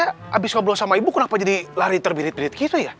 habis ngobrol sama ibu kenapa jadi lari terbirit birit gitu ya